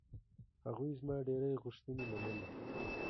هغوی زما ډېرې غوښتنې منلې.